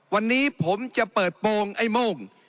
วันนี้ผมจะเปิดโปรงไอ้โม่ง